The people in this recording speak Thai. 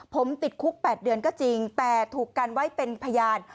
ผมติดคุก๘เดือนก็จริงแต่ถูกกันไว้เป็นพยาน